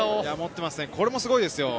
これもすごいですよ。